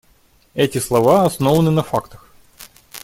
Эти слова основаны на фактах.